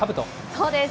そうです。